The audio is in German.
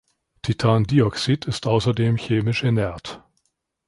Titandioxid ist außerdem chemisch inert.